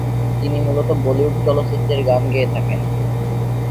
তিনি মূলত বলিউড চলচ্চিত্রের গান গেয়ে থাকেন।